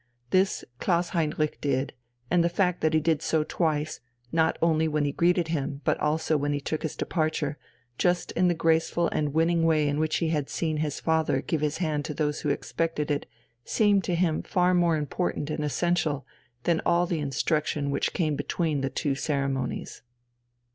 This Klaus Heinrich did; and the fact that he did so twice, not only when he greeted him, but also when he took his departure, just in the graceful and winning way in which he had seen his father give his hand to those who expected it, seemed to him far more important and essential than all the instruction which came between the two ceremonies.